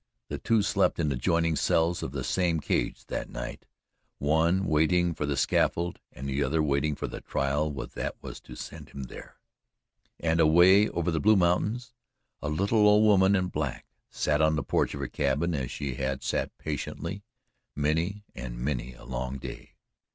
The two slept in adjoining cells of the same cage that night the one waiting for the scaffold and the other waiting for the trial that was to send him there. And away over the blue mountains a little old woman in black sat on the porch of her cabin as she had sat patiently many and many a long day.